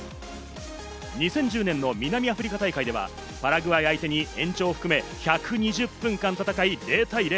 ２０１０年の南アフリカ大会ではパラグアイ相手に延長を含め１２０分間戦い０対０。